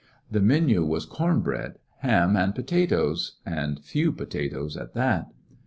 The menu was corn bread, ham, and potatoes, and few potatoes at that.